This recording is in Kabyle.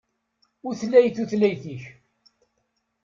Utlay tutlayt-ik.